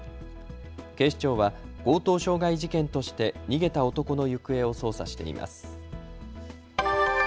警視庁は強盗傷害事件として逃げた男の行方を捜査しています。